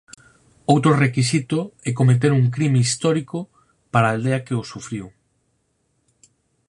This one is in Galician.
Outro requisito é cometer un crime histórico para a Aldea que o sufriu.